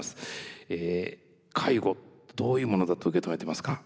介護どういうものだと受け止めてますか？